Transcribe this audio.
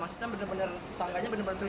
maksudnya benar benar tangganya benar benar